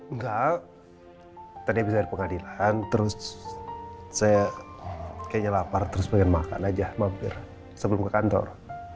enggak tadi bisa di pengadilan terus saya kayaknya lapar terus pengen makan aja mampir sebelum ke kantor